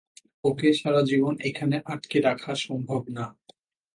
ওকে সারাজীবন এখানে আঁটকে রাখা সম্ভব না।